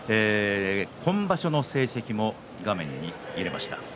今場所の成績を画面に入れました。